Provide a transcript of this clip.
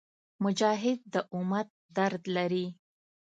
مجاهد د امت درد لري.